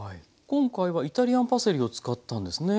今回はイタリアンパセリを使ったんですね。